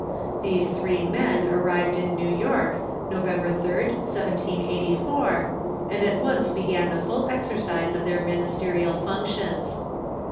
These three men arrived in New York, Xovember 8d, 1784, and at once began the full exercise of their ministerial functions.